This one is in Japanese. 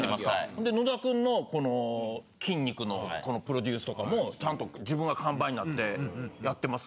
ほんで野田君のこの筋肉のこのプロデュースとかもちゃんと自分が看板になってやってます